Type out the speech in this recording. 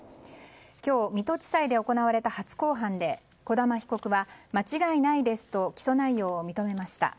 今日、水戸地裁で行われた初公判で児玉被告は間違いないですと起訴内容を認めました。